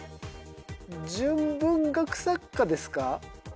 純文学作家ですか？